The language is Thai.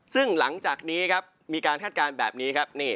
ซึ่งหลังจากนี้ครับมีการคาดการณ์แบบนี้ครับ